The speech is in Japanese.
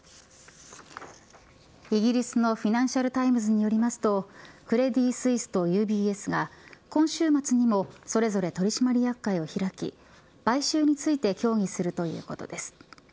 イギリスのフィナンシャル・タイムズによりますとクレディ・スイスとＵＢＳが今週末にもそれぞれ取締役会を開き買収について協議するということです。